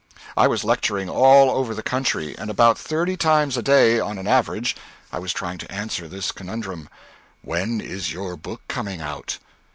I was lecturing all over the country; and about thirty times a day, on an average, I was trying to answer this conundrum: "When is your book coming out?"